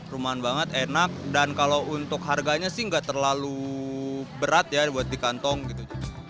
rumahan banget enak dan kalau untuk harganya sih nggak terlalu berat ya buat di kantong gitu